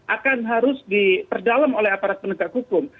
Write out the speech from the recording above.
akan harus diperdalam oleh aparat penegak hukum